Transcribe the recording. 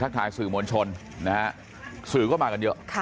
ทายสื่อมวลชนนะฮะสื่อก็มากันเยอะ